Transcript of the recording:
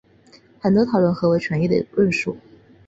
有很多讨论何为纯育的论述。